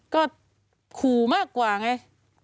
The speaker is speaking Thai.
ก็ขู่มากกว่าไง